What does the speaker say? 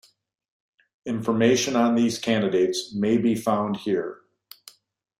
Information on these candidates may be found here.